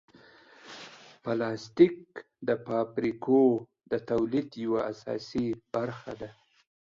پلاستيک د فابریکو د تولید یوه اساسي برخه ده.